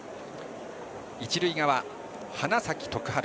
一塁側・花咲徳栄。